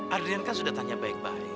adrian kan sudah tanya baik baik